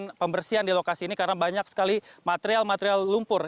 melakukan pembersihan di lokasi ini karena banyak sekali material material lumpur